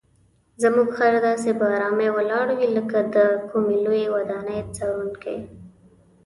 زموږ خر داسې په آرامۍ ولاړ وي لکه د کومې لویې ودانۍ څارونکی.